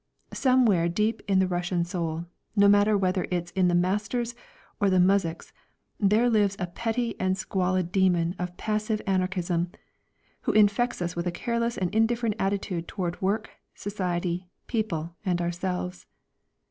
Somewhere deep in the Russian soul no matter whether it is the "master's" or the muzhik's there lives a petty and squalid demon of passive anarchism, who infects us with a careless and indifferent attitude toward work, society, people, and ourselves.